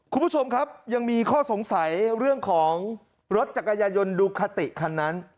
คุณผู้ชมครับยังมีข้อสงสัยเรื่องของรถจักรยายนดูคาติคันนั้น